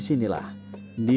minta dua pas pun